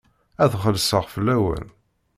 Ad xellṣeɣ fell-awen.